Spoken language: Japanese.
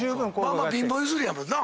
まあまあ貧乏ゆすりやもんな。